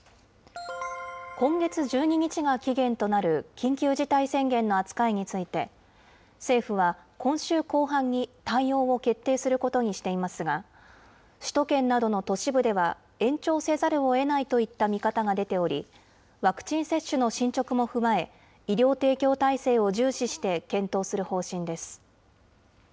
今月１２日が期限となる緊急事態宣言の扱いについて、政府は、今週後半に対応を決定することにしていますが、首都圏などの都市部では延長せざるをえないといった見方が出ており、ワクチン接種の進捗も踏まえ、医療提供体制を重視して検討する方針です。